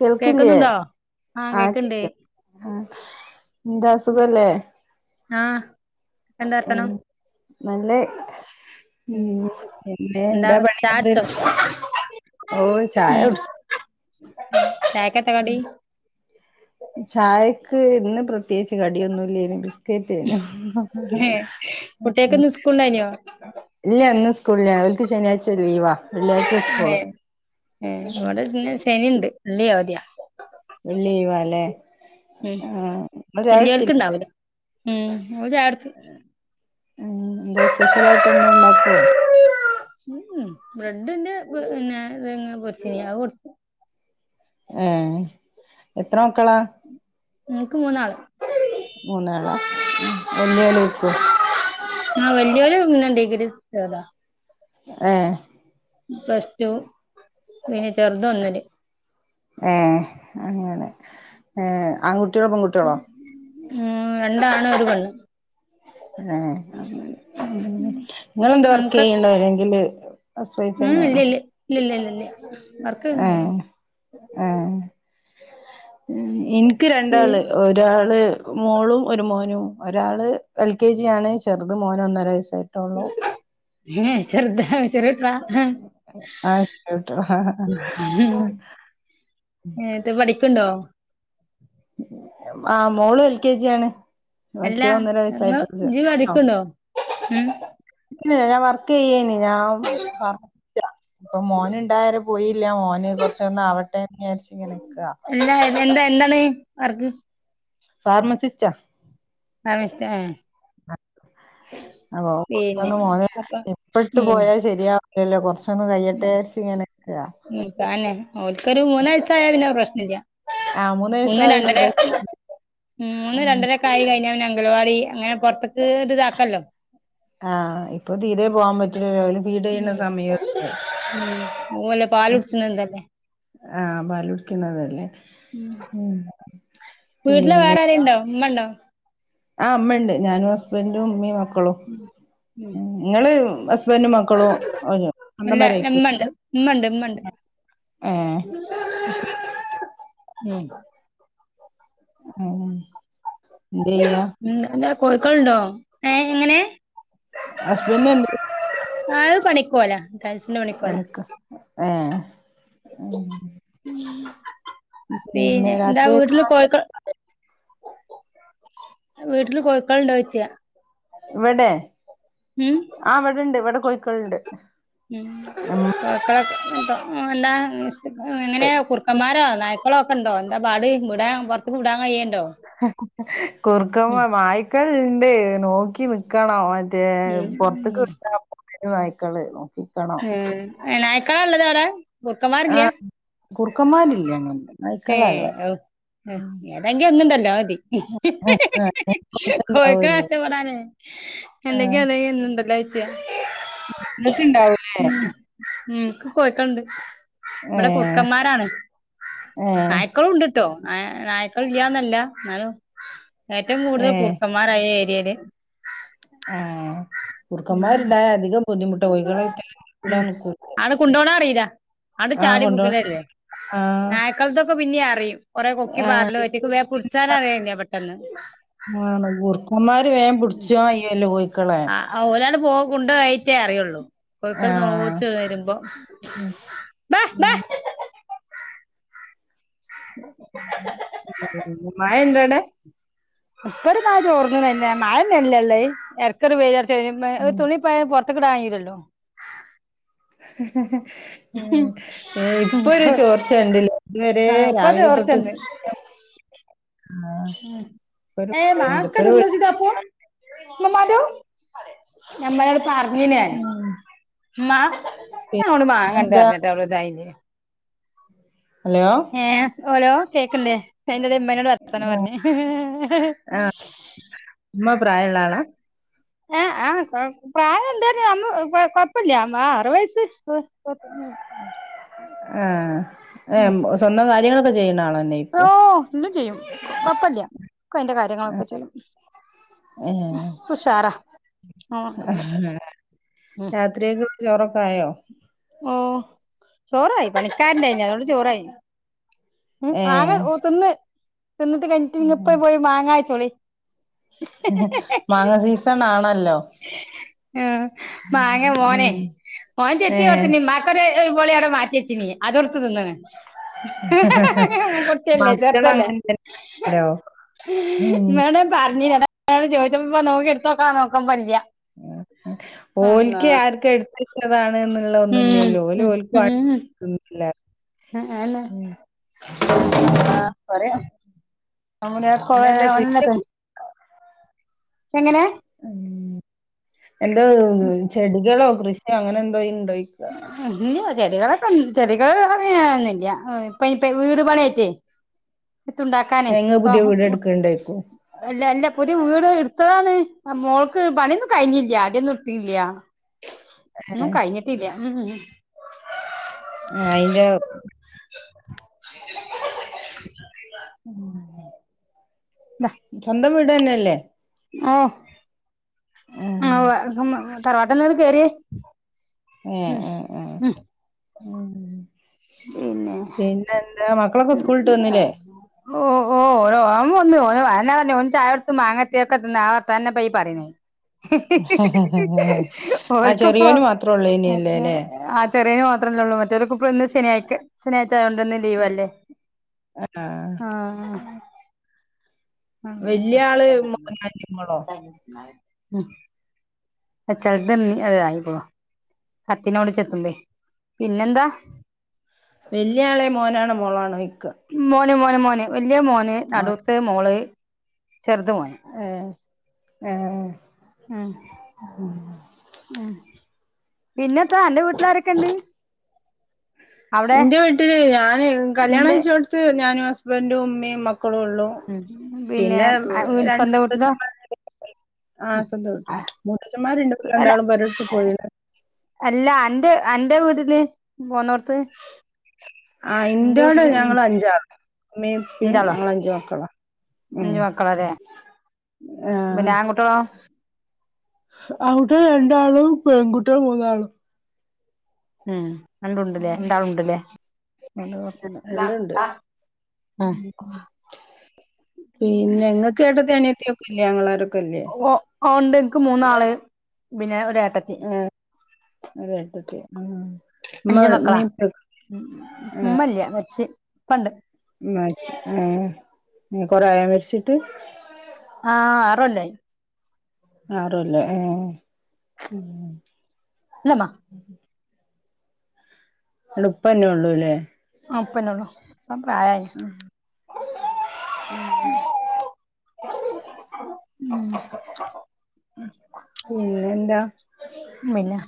കേൾക്കില്ലയേ? കേക്കുന്നുണ്ടോ ആഹ് ആ കേക്ക്ണ്ട് കേക്കീണ്ട് [unintelligible] എന്താ അസുല്ലേ അഹ് ഉം നല്ല ഉം പിന്നെ എന്താ എന്താണ് പണി വെറുതെ ചായട്ച്ചോ ഇരിക്കാ? ഓ ചായ കൂടി ചായക്കന്താ കടി ചായക്ക് ഇന്ന് പ്ര ത്യേകിച്ച് കടിയൊന്നുംല്ലേനു ബിസ്കറ്റേനും ഏഹ് കുട്ട്യേക്ക്ന്ന് സ്കൂൾണ്ടായിനോ ഇല്ല ഇന്ന് സ്കൂളില അവർക്ക് ശനിയാഴ്ച ലീവാ വെള്ളിയായ് ഏഹ് ഏഹ് ഇവിടെ പിന്ന ശനിയുണ്ട് വെള്ളി അവധിയാ വെള്ളി ലീവാലെ ഉം വേലിയവർക് ഇണ്ടാവും ഉം നിങൾ ചായ ഉം എന്താ സ്പെഷ്യൽ ആയിട്ട് എന്താ ഉണ്ടാക്കുവോ ഉം ബ്രെഡിന്റെ പിന്നെ ഇതങ് പൊരിച്ചിനി അത് കൊ ഏഹ് എത്ര മക്കളാ ഞങ്ങക്ക് മൂന്നാള് മൂന്നളാ എല്ലിയാള് [unintelligible] ആഹ് വലിയരു ഡിഗ്രി ഫസ്റ്റ് ഇയറാ ഏഹ് പ്ലസ് ടു പിന്നെ ചെറുത് ഒന്നില് ഏഹ് അങ്ങനെ ഏഹ് ആൺകുട്ടികളോ പെൺകുട്ടികളോ ഉം രണ്ടാണ് ഒരു പെണ്ണ് ആഹ് നിങ്ങൾ എന്ത് വർക്ക് ഞങ്ങക്ക് ചെയ്യണ് അല്ലെങ്കില് ഹൗസ് വൈഫ് ഉം ഇല്ല ഇല്ല ഇല്ല ഇല്ല ഇല്ലല്ല ആഹ് ആഹ് എനി ക്ക് രണ്ടാള് ഒരാള് മോളും ഒരു മോനും ഒരാള് എൽ കെ ജി ആണ് ചെറുത് മോനാ ഒന്നര വയസ്സായി ഏഹ് ചെറുതാ ചെറുതാ ആഹ് ഏഹ് ഏഹ് ഇത് പഠിക്കണ്ടോ ആഹ് മോള് എൽ കെ ജി ആണ് മറ്റേ അല്ലാ ഒന്നര നിങ്ങ വയസായിട്ടുള്ള ഇജ് പഠിക്കണ്ടോ ഉം ഇല്ല ഞാൻ വർക്ക് ചെയ്യേ ഞാൻ ഇപ്പൊ മോനുണ്ടായ പോയില്ല മോന് കുറച്ചൊന്ന് അവട്ടേന്ന് വിചാരിച്ച് ഇങ്ങനെ നിക്ക എല്ലാ എന്താ എന്താണ് വർക്ക് ഫാർമസിസ്റ്റാ ഫാർമസിസ്റ്റ അ പിന്നെ പുത്തൊന്ന് പോന്ന [unintelligible] അപ്പൊ ഇപ്പട്ട് ഉം പോയാൽ ശരിയാ ഇല്ലല്ലോ കുറച്ചൊന്ന് കഴിയട്ടെ വിചാരിച്ച് ഇങ്ങനെ നിക്കാ ഉം തന്നെ ഓക്കൊരു മൂന്ന് വയസ്സായ പിന്നെ പ്രശ്നല്ല ആ മൂന്ന് ഒന്ന് വയസ്സായ പിന്നെ രണ്ടര പ്രശ്നം ഉം ഒന്ന് രണ്ടര ആയി കഴിഞ്ഞ അവന് അംഗലവാടി അങ്ങനെ പുറത്തൊക്ക് ഇത് ഇതാക്കല്ലോ ആഹ് ഇപ്പൊ തീരെ പോവാൻ പറ്റില്ലല്ലോ അവര് ഫീഡ് ചെയ്യുന്ന ഉം സമയം ഉം അല്ലെ പാല് ഉട്ടച്ചന [unintelligible] എന്തല്ല ആഹ് പാല് കുടിക്കുന്നതല്ലേ ഉം വീട്ടില പിന്നെ വേറെരുണ്ടോ ഉമ്മ ഉണ്ടോ ആഹ് അമ്മയുണ്ട് ഞാനും ഹസ്ബൻറും ഉമ്മിയും മക്കളും ഉം നിങ്ങള് ഹസ്ബൻഡും മക്കളും ഇല്ല അന്തമാരയിക്കൂ [unintelligible] ഇമ്മണ്ട് ഇമ്മണ്ട് ഇമ്മണ്ട് ഉം ഉം എന്ത് ചെയ്യ ഉം അല്ല കോഴിക്കോളണ്ടോ ഏഹ് എങ്ങനെ ഹസ്ബൻഡിന് എന്താ അത് പണിക്കോല പണിക്കോ ഏഹ് പിന്നെ എന്താ വീട്ടില് രാത്രിയൊക്കെ കോഴിക്കോ വീട്ടില് കോഴിക്കള് ഇണ്ടോന്ന് ചോദിച്ച ഇവിടെ ഉം ആഹ് ഇവിടെണ്ട് ഇവിടെ കോഴിക്കളുണ്ട് ഇമ്മണ്ട് കോഴിക്കളോഎഹ് എന്താ എങ്ങനെയ കുറുക്കന്മാരോ നായി കുപ്പളൊക്കെണ്ട എന്താ പാട് വിടൻ പുറത്തക്ക് വിടാൻ കയ്യണ്ടോ കുറുക്കപ നായക്കളുണ്ട് നോക്കി നി ക്കണം മറ്റേ ഉം പുറത്ത് കട്ട ഉം [unintelligible] നക്കാള് നോക്കിക്കണോ ഉം നായിക്കാളാ ഉള്ളത് അവിടെ കുറുക്കന്മാരില്ല ആഹ് കുറുക്കന്മാരില്ല അങ്ങനത്തെ ഏഹ് ഏതെങ്കിലും ഒന്നുംണ്ടല്ലോ അത് മതി കോഴക്കളെ ഉണ്ടാവല്ലോ നഷ്ടപ്പെടാനേ [unintelligible] എന്തെങ്ക അത എന്നണ്ടല്ലോ അയച്ച്യ നിങ്ങൾക്ക് ഇണ്ടാവൂല്ലേ ഉം ഇക്ക് കോഴികൾണ്ട് ഇവിടെ ഏഹ് കുറക്കന്മാരാണ് ഏഹ് ക്കളും ഉണ്ടട്ടോ നായക്കൾ ഇല്ലന്നല്ല എന്നാലും ഏറ്റവും കൂടുതൽ ഏഹ് കുറുക്കമ്മാര മ്മാര ഇ ഏരിയയിൽ ആഹ് ഉം കുറുക്കമ്മാർണ്ടായാ അതികം ബുദ്ധിമുട്ട കോഴികളെ വെയ്താലേ കൂടാൻ നിക്കും ആര കൊണ്ടോണെ അറിയില്ല അങ്ങട്ട് ചാടി കൊണ്ടോണ വുകലല്ലേ ആഹ് നായ്ക്കളത്തൊക്കെ പിന്നെ അറിയും കൊറെ കൊക്കി പാറലും ആഹ് അറ്റാൾക്ക് വേം പുഡ്ച്ചാൻ അറിയ അയനെ പെട്ടെന്ന് ആന്ന് കുർക്കന്മാര് വേം പിടിച്ച അയ്യോല്ലേ കോയിക്കളെ ആഹ് ഓലങ്ങട്ട് പോകും കൊണ്ടോയിട്ടേ അറിയുള്ളൂ കോഴിക്കള ആഹ് നോച്ച വരുമ്പോ ഉം ബ ബ ഉം മഴ ണ്ടോ അവിടെ ഇപ്പ ഒരു മഴ ചോർന്നു ഇതന്നെ മഴന്നല്ലള്ളേ ഇടക്കൊരു വെയിൽ അറച്ചു വെരും ഒരു ഉം തുള്ളി പുറത്ത കടാങ്ങീല്ലോ [unintelligible] ഉം ഇപ്പൊ ഒരു ചോർച്ച ഉണ്ട് ഇതുവരെ ആ ഇപ്പൊ രാവിലെ തൊട്ട് ചോർച്ചണ്ട് ആഹ് ഇപ്പൊരു ഏഹ് മഴണ്ട് മാക്ക ഇപ്പൊരു ന്തസിട്ടപ്പു വെളിച്ചം [unintelligible] ഞമ്മളോട് പറഞീന് ഞാൻ ഉം മാ ഞാൻ നിങ്ങളോട് മാങ്ങണ്ട് പിന്നെന്താ പറഞ്ഞിട്ട് അവടെദായീലെ ഹലോ ഏഹ് ഹെലോ കേക്കണില്ലേ അയ്‌ന്റെ എടീൽ മ്മനോട് വർത്തന പറഞ്ഞ ആഹ് ഉമ്മ പ്രായള്ള [unintelligible] [inaudible] ആഹ് പ്രായ ഇണ്ടമ്മ കൊഴപ്പമില്ല ആഹ് അറുപത് വയസ്സ് കൊ ഉം ഉം ആഹ് ഏഹ് സ്വന്തം കാര്യങ്ങളൊക്കെ ചെയ്യുന്ന ആളന്നെ ഓ ഇന്നും ചെയ്യും കൊഴപ്പല്ല ഒക്കെ അതിന്റെ കാര്യങ്ങളൊക്കെ ചെയ്യും ഏഹ് പ്പൊ ഉഷാറ ഉം [unintelligible] ചോറൊക്കെ ആയോ ഓ ചോറായി പണിക്കാരണ്ടായിന് അതോണ്ട് ചോറായി ഉം മാങ്ങ ഓ തിന്ന് തിന്നിട്ട് കഴിട്ട് ഇങ്ങപ്പ ഏഹ് പോയി മാങ്ങ കൈച്ചോളി മാങ്ങ സീസൺ ആണല്ലോ ആഹ് മാങ്ങ ഉം മോനെ മോന ചെത്തി ഏഹ് കൊട്ത്തെന് ഒരുപോളി അവിടെ മാറ്റി വെചീന് അതും ഇടുത്ത് തിന്ന്ക്കണ് [unintelligible] കുട്ടിയല്ലേ ചെറുതല്ലേ മക്കളങ്ങനെ തന്നെയാണല്ലോ ഉം എന്നട പറഞ്ഞോട് ചോദിച്ചപ്പോപ്പ നോക്കി എടുത്ത്ക്കാ നോക്കാൻ പ ഓൽക്ക ആർക്ക എടുത്തചതാണ് എന്നുള്ള ഉം ഒന്നുമല്ലല്ലോ ഓല ഉം ഓൽക്കു ഉം തിന്ല്ലേ ആഹ് അയന്നെ [unintelligible] [unintelligible] പിന്നെന്താ കൃഷിയൊ [unintelligible] എങ്ങനെ ഉം എന്തോ ചെടികളോ കൃഷിയോ അങ്ങനെ എന്തോ ഇണ്ടോയി ഉ ഇല്ല ചെടികളൊക്കെ ചെടികള് പറയാന്നില്ല ഇപ്പ ഇപ്പ വീട് പണിയായിട്ടേ എത്തുണ്ടാക്കാനേ എഹ് ഇങ്ങൾ ഇപ്പൊ പുതിയ വീട് എടുക്ക് ഇണ്ടയിക്കും അല്ല അല്ല പുതിയ വീട് ഇടുത്തതാണ് മോൾക്ക് പണിയൊന്നും കഴിഞ്ഞില്ല അടിയൊന്നും ഇട്തീല്ല ഒന്നും ഏഹ് കഴിഞ്ഞിട്ടില്ല ഉം ഏഹ് അയിന്റെ സ്വന്തം വീട് തന്നെല്ലേ ആ ആ ആഹ് തറവാട്ടന്ന കേയറിയേ ഏഹ് ഏഹ് ഏഹ് പിന്നെ പിന്നെന്താ മക്കളൊക്കെ സ്കൂളിട്ട് വന്നില്ലേ ഓഹ് ഓഹ് ഓ വന്ന് ഓന് അന്നെ പറഞ്ഞ ചായടുത്ത് മാങ്ങത്തിയൊക്കെത്തിന്ന് ആ വർത്താന്നെ പ്പീ പറയിണേ ആഹ് ഓൽക്ക് ഇപ്പം ചെറിയോന് മാത്രേ ഉള്ളേനിയല്ലേ ല്ലേ ആ ചെറിയ മാത്രല്ലെള്ളു മറ്റൊലൊക്കെ ഇന്ന് ശനിയാഴ്ചാ ശനിയാഴ്ച്ച ആയതൊണ്ടന്ന് ലീവല്ലേ ആഹ് ആഹ് വല്യ ആള് മോനാ മോളോ [unintelligible] ചിലത് അതതായി പോവാ കത്തിനോട് ചെത്തുമ്പേ പിന്നെന്താ വെല്ല്യായാളെ മോനാണോ മോളാണോ ചോയ്ക്ക മോന് മോന് മോന് വല്ല്യെ മോന് മോൻ നടൂത്തെ മോള് ചെർത് മോന് ഏഹ് ഏഹ് ഉം പിന്നെത്താ അന്റെ വീട്ടിലാരൊക്കെണ്ട് അവിടെ ന്റെ വീട്ടില് ഞാന് കല്ല്യാണം നിന്റെ കഴിച്ചോടുത്ത് ഞാനും ഹസ്ബന്റും ഉമ്മയും മക്കളും ഒള്ളു പിന്നെ രണ്ട് സ്വന്തം വീട്ടിലോ മൂത്തച്ഛന്മാര് [unintelligible] ആ സ്വന്തം വീട്ട്ല് മൂത്തച്ഛന്മാര്ണ്ട് അല്ല രണ്ടാളും പൊരട്ത്ത് പോയിണ് അല്ല അന്റെ അന്റെ വീട്ടില് പോന്നോട്ത്ത് ആ ഇന്റോടെ ഞങ്ങളഞ്ചാൾ ഇമ്മീം ഇപ്പിം അഞ്ചാളോ ഞങ്ങളഞ്ച് മക്കളാ ഉം അഞ്ചു മക്കളല്ലേ ആ പിന്നെ ആൺകുട്ട്യേളോ ആൺകുട്ട്യേള് രണ്ടാളും പെൺകുട്ട്യേള് മൂന്നാള് ഉം രണ്ടുണ്ടല്ലേ രണ്ടാളുണ്ടല്ലേ രണ്ടുണ്ട് പിന്നെ ഇങ്ങക്ക് കേട്ടത്തി അനിയത്തിയൊക്കെല്ലെ ആങ്ങളാരൊക്കെല്ലേ ഒ ഓണ്ട് ഇൻക്ക് മൂന്നാള് പിന്നെ ഒരേട്ടത്തി ഒരേട്ടത്തി ആഹ് അഞ്ച് മക്കളാ ഇമ്മല്ല മര്ച്ച് ഇപ്പണ്ട് മര്ച്ച് ഏ കൊറേ ആയോ മരിച്ചിട്ട് ആ ആറൊല്ലായ് ആറൊല്ലെ ഏഹ് ല്ല മ്മ ട് ഉപ്പന്നെള്ളൂ ലേ ആ ഉപ്പന്നള്ളു അ പ്രായായി മ് പിന്നെന്താ പിന്നെ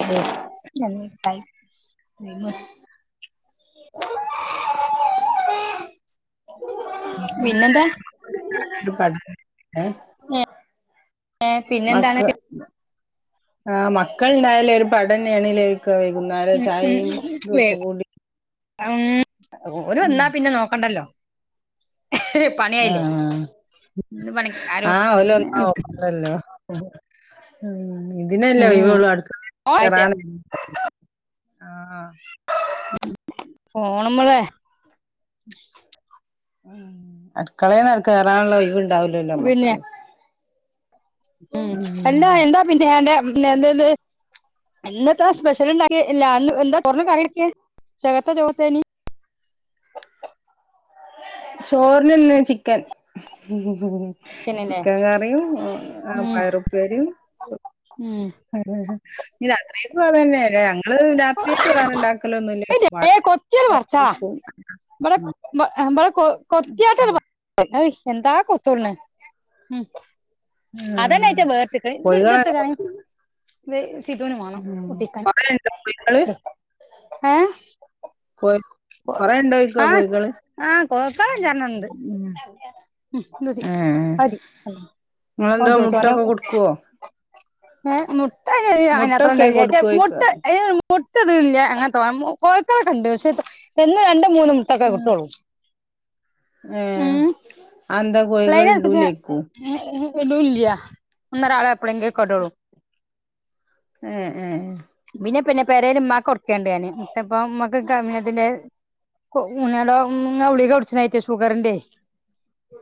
[unintelligible] [unintelligible] [unintelligible] പിന്നെന്താ മക്ക പിന്നെന്താണ് ആഹ് മക്കൾണ്ടായാലൊരു പഠന്നേണിലേ ക്കെ വൈകുന്നര ഉം ഉം ചായിം വേ തൂപ്പ കൂടി ഉം ഓര് ഉം വന്നാ പിന്നെ നോക്കണ്ടല്ലോ പണിയായില്ലേ ആഹ് ഇന്ന് പണി ആഹ് ആരും ആഹ് ഓല് വന്നാ നോക്കണ്ടല്ലോ ഇതിനല്ലേ ഉം ഒയിവൊള്ളൂ അടുത്ത [unintelligible] ആയിട്ട കറാന ആഹ് ഫോണ് മ്മളെ ഉം അടുക്കളേന്നര കേറാനുള്ള ഒഴിവ് ണ്ടാവലല്ലോ നമ്മക്ക് ഉം അല്ല എന്താ പിന്നെ എൻ്റെ എന്തായത് ഇന്നത്തൊ സ്പെഷ്യൽണ്ടാക്കിയ അല്ല എന്ത ചോറിന് കറിയൊക്കെ ഉച്ചക്കത്തെ ചോറ് എന്തെ നി ചോറിനന്നെ ചിക്കൻ ചിക്കനല്ലേ ചിക്കൻ കറിയും ഉം പയറുപ്പേരിയും ഉം രാത്രിക്കും അതന്നെ ഞങ്ങള് രാത് ക്ക് വേറെണ്ടാക്കലൊന്നുല്ല ഏ കൊത്തിയാണ് [unintelligible] ഉം നമ്മടെ കൊ കൊത്തിയാട്ടല്ല എന്താ കൊത്തൂടണ ആ അതന്നെ ആയിച്ചാ വേർക്ക കോഴികളെല്ല ഇതിർത്തക്കണ ഇത് സിതുവിനു വേണം ഉം ഒട്ടിക്കൻ കൊറേണ്ടോ കോഴികള് ഉം ഏ [unintelligible] കൊറേണ്ടോയ്ക്ക ആഹ് കോഴികള് ആഹ് കോക്ക ജന ഉം ഉം ഇത് മതി ഏ മതി ഓൻ നിങ്ങളെന്തോ ചോയ്ചോ ഓന് മുട്ടൊക്കെ കൊടുക്കുവോ ഏ മുട്ട കഴിയോ അ അത്ര മുട്ടൊക്കെ ഉണ്ട ചേച്ച കൊടുക്കോയ്ക്ക മുട്ട പൊട്ടതല്ല അങ്ങനെ തോ കോഴിക്കളകണ്ട് പക്ഷേ എന്ന് രണ്ട് മൂന്ന് മു തക്ക കുട്ടോളു ഏ അന്താ കോഴികൾ ഇടൂലേക്കൂ ഏ ഇടൂല്ല്യ ഒന്നരാടം എപ്പളേങ്കക്കെ ഇടോള്ളു ഏ ഏ പിന്നെ പിന്നെ പെരേൽ ഉമ്മാക്ക് കൊടുക്കണ്ട് ഞാന് മുട്ട ഇപ്പ ഉമ്മക്ക് കമനത്തിന്റെ [unintelligible] ഉമ്മ ഗുളിക കുടിച്ചനറ്റ ഷുഗറിന്റെ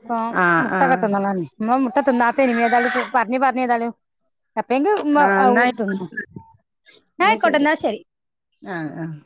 പോം ആഹ് മുട്ടക്കെ ആഹ് തിന്നണം ഉമ്മ മുട്ട തിന്നാത്തേനി ഏതാലും പറഞ് പറഞ് ഏതാലും അപ്പ എങ്കും ഉമ്മ ആഹ് എന്നാ തിന്നു ആഞ ആയിക്കോട്ടെന്നാ ശരി ആഹ് ആഹ്